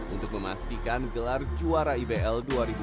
untuk memastikan gelar juara ibl dua ribu dua puluh